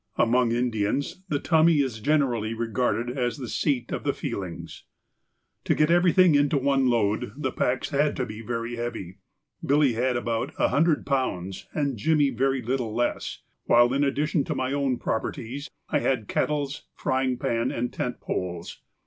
Among Indians the tummy is generally regarded as the seat of the feelings. To get everything into one load the packs had to be very heavy. Billy had about a hundred pounds and Jimmy very little less, while in addition to my own properties I had kettles, frying pan, and tent poles.